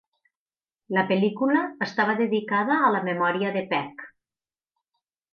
La pel·lícula estava dedicada a la memòria de Peck.